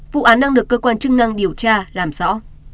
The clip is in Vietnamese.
vụ án đang được cơ quan chức năng điều tra làm rõ